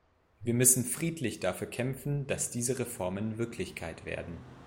Wir müssen friedlich dafür kämpfen, dass diese Reformen Wirklichkeit werden.